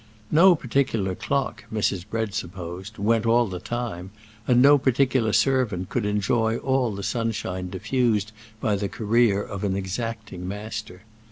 No particular clock, Mrs. Bread supposed, went all the time, and no particular servant could enjoy all the sunshine diffused by the career of an exacting master.